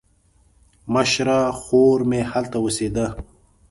مشره خور مې هلته اوسېده.